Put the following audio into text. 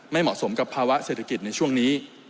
เหมาะสมกับภาวะเศรษฐกิจในช่วงนี้